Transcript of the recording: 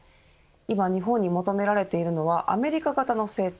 今、日本に求められているのはアメリカ型の成長